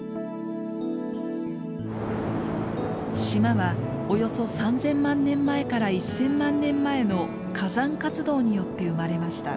島はおよそ３，０００万年前から１，０００万年前の火山活動によって生まれました。